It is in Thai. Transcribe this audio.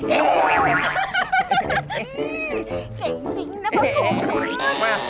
เก่งจริงนะมาคุม